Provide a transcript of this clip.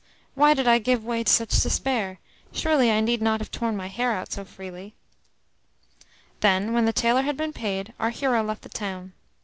Why did I give way to such despair? Surely I need not have torn my hair out so freely?" Then, when the tailor had been paid, our hero left the town.